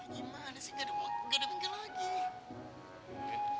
gimana sih gak ada bengkel gak ada bengkel lagi